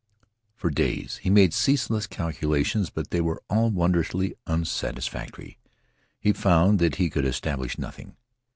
For days he made ceaseless calculations, but they were all wondrously unsatisfactory. He found that he could establish nothing.